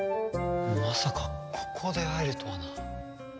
まさかここで会えるとはな。